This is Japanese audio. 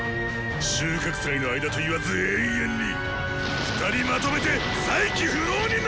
収穫祭の間といわず永遠に二人まとめて再起不能になるまで。